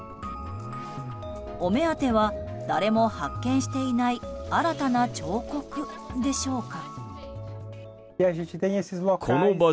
お目当ては誰も発見していない新たな彫刻でしょうか。